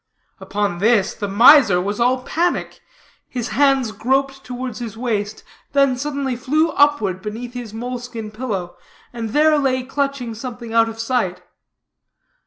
Upon this the miser was all panic. His hands groped towards his waist, then suddenly flew upward beneath his moleskin pillow, and there lay clutching something out of sight.